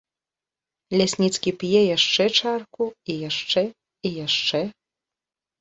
Лясніцкі п'е яшчэ чарку, і яшчэ, і яшчэ.